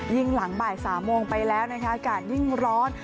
หลังบ่าย๓โมงไปแล้วนะคะอากาศยิ่งร้อน